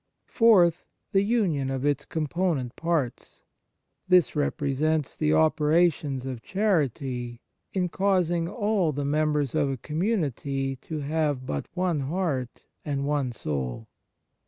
Fourth, the union of its component parts. This represents the opera tions of chanty, in causing all the members of a community to have but one heart and one soul.